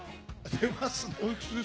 出ますね。